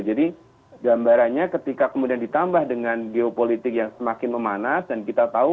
jadi gambarannya ketika kemudian ditambah dengan geopolitik yang semakin memanas dan kita tahu